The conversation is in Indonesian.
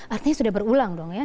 artinya sudah berulang dong ya